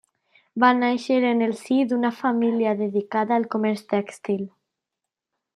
Va nàixer en el si d’una família dedicada al comerç tèxtil.